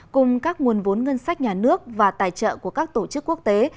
cùng các nguồn vốn ngân sách nhà nước và tài trợ của các tổ chức quốc tế